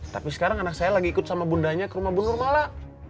tapi sekarang anak saya lagi ikut sama bundanya ke rumah bu nurmala